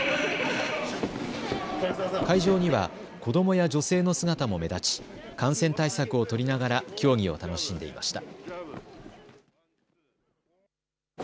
会場には子どもや女性の姿も目立ち、感染対策を取りながら競技を楽しんでいました。